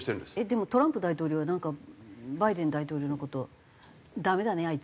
でもトランプ大統領はなんかバイデン大統領の事ダメだね